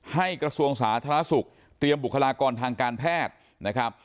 ให้กระทรวงศาสตร์ธนาศุกร์เตรียมบุคลากรทางการแพทย์